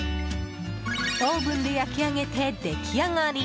オーブンで焼き上げて出来上がり。